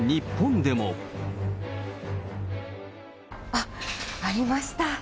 あっ、ありました。